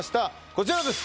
こちらです